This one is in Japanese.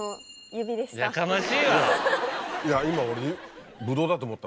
いや今俺。